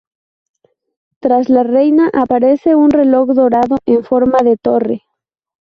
Tras la reina aparece un reloj dorado en forma de torre.